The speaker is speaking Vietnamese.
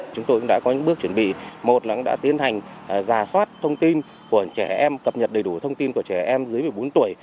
chúng tôi cũng đã có những bước chuẩn bị một là cũng đã tiến hành giả soát thông tin của trẻ em cập nhật đầy đủ thông tin của trẻ em dưới một mươi bốn tuổi